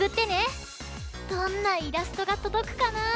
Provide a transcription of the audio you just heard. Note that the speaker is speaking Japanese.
どんなイラストがとどくかな？